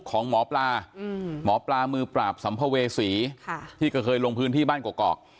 ของหมอปลาอืมหมอปลามือปราบศรรพเวศรีค่ะที่ก็เคยลงพื้นที่บ้านกอกกอก